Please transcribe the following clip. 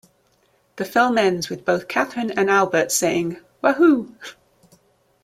The film ends with both Catherine and Albert saying Wahoo!